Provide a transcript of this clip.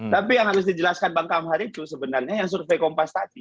tapi yang harus dijelaskan bang kamhar itu sebenarnya yang survei kompas tadi